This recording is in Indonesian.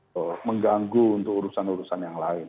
atau mengganggu untuk urusan urusan yang lain